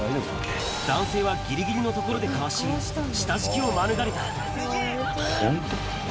男性はぎりぎりのところでかわし、下敷きを免れた。